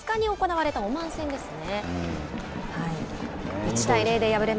まず２日に行われたオマーン戦ですね。